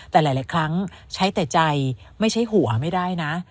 แต่หลายครั้งใช้แต่ใจไม่ใช่หัวไม่ได้นะ